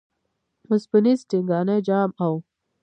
وسپنیز ټنګانی جام او